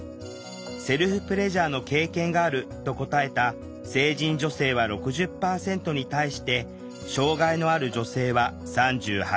セルフプレジャーの経験があると答えた成人女性は６０％に対して障害のある女性は３８％。